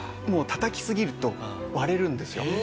もう叩きすぎると割れるんですよ。